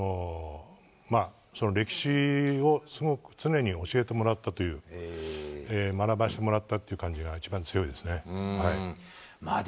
歴史をすごく常に教えてもらったという学ばせてもらったという感じが一番強いですね。